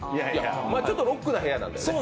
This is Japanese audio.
ま、ちょっとロックな部屋なんでね。